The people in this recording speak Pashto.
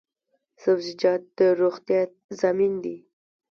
سبزیجات د روغتیا ضامن دي